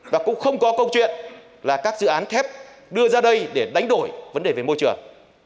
và cũng không có câu chuyện là các dự án thép đưa ra đây để đánh đổi vấn đề về môi trường